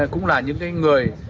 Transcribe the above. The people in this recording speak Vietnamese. cũng là những người